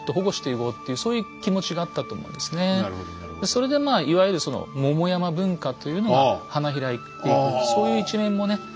それでまあいわゆる「桃山文化」というのが花開いていくそういう一面もね